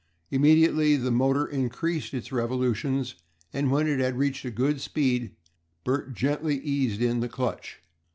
Immediately the motor increased its revolutions, and when it had reached a good speed Bert gently eased in the clutch.